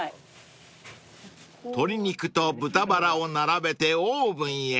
［鶏肉と豚バラを並べてオーブンへ］